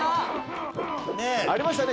ありましたね